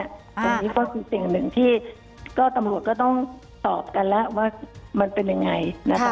ตรงนี้ก็คือสิ่งหนึ่งที่ก็ตำรวจก็ต้องตอบกันแล้วว่ามันเป็นยังไงนะคะ